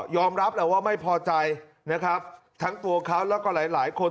ยอมรับแหลว่าไม่พอใจนะคะครับทั้งตัวเขาและก็หลายคน